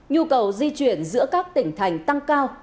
nhu cầu di chuyển giữa các tỉnh thành tăng cao